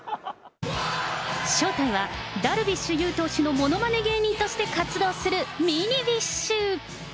正体はダルビッシュ有投手のものまね芸人として活動するミニビッシュ。